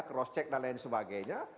cross check dan lain sebagainya